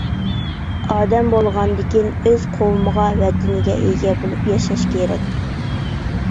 ئادەم بولغاندىكىن ئۆز قوۋمىغا، ۋەتىنىگە ئىگە بولۇپ ياشاش كېرەك.